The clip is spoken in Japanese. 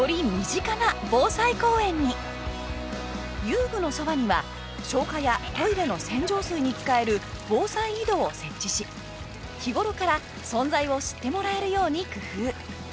遊具のそばには消火やトイレの洗浄水に使える防災井戸を設置し日頃から存在を知ってもらえるように工夫。